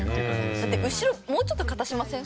だって後ろもうちょっと片しません？